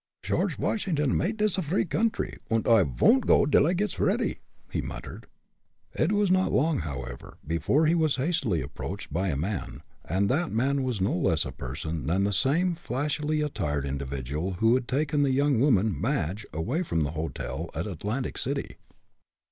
"Shorge Vashingdon made dis a free coundry, und I von'd go dil I gits ready," he muttered. It was not long, however, before he was hastily approached by a man, and that man no less a person than the same flashily attired individual who had taken the young woman, Madge, away from the hotel, at Atlantic City!